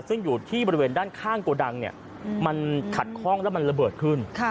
ซึ่งอยู่ที่บริเวณด้านข้างโกดังมันขัดข้องแล้วมันระเบิดขึ้น